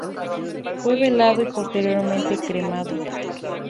Fue velado y posteriormente cremado.